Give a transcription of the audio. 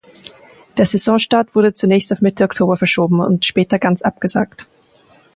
Der Saisonstart wurde zunächst auf Mitte Oktober verschoben und später ganz abgesagt.